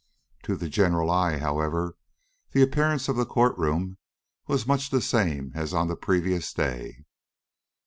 To the general eye, however, the appearance of the court room was much the same as on the previous day.